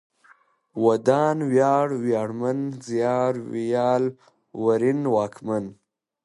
ودان ، وياړ ، وياړمن ، زيار، ويال ، ورين ، واکمن